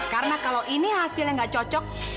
karena kalau ini hasil yang gak cocok